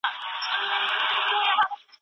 کله نا کله چې ازادي وي، ویره به خپره نه شي.